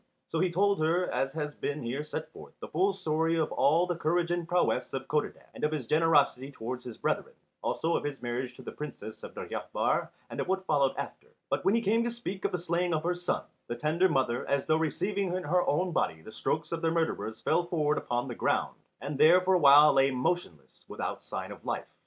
So he told her, as has been here set forth, the full story of all the courage and prowess of Codadad, and of his generosity towards his brethren, also of his marriage to the Princess of Deryabar and of what followed after. But when he came to speak of the slaying of her son, the tender mother, as though receiving in her own body the strokes of the murderers fell forward upon the ground, and there for a while lay motionless without sign of life.